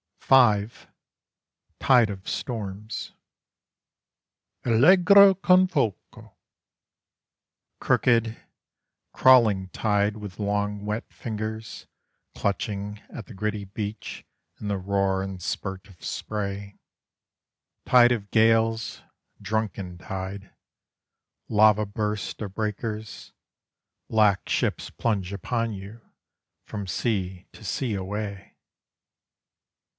(5) TIDE OF STORMS Allegro con fuoco. Crooked, crawling tide with long wet fingers Clutching at the gritty beach in the roar and spurt of spray, Tide of gales, drunken tide, lava burst of breakers, Black ships plunge upon you from sea to sea away.